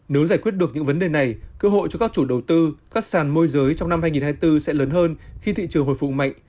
nếu giải quyết được những vấn đề này cơ hội cho các chủ đầu tư các sàn môi giới trong năm hai nghìn hai mươi bốn sẽ lớn hơn khi thị trường hồi phụ mạnh